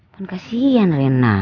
kan kasian rena